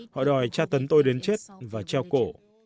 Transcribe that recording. họ đòi tra tấn tôi đến chết và treo cổ